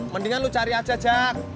mendingan lu cari aja jak